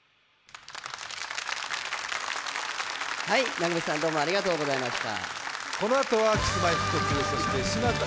長渕さん、どうもありがとうございました。